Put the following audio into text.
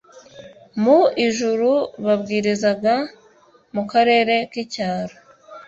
mu ijuru babwirizaga mu karere k icyaro